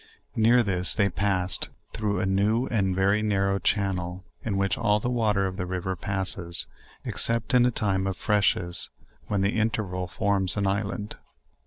Near this they passed through a new and very narrow channel, in which all the water of the river passes, except in a time of freshes, when the interval forms an island.